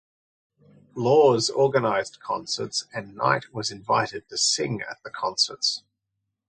Lawes organised concerts and Knight was invited to sing at the concerts.